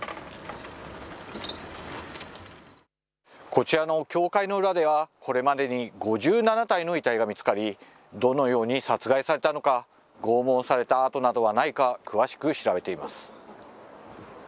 こちらの教会の裏では、これまでに５７体の遺体が見つかり、どのように殺害されたのか、拷問された痕などはないか、詳しく調べています。